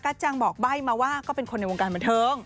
จังบอกใบ้มาว่าก็เป็นคนในวงการบันเทิง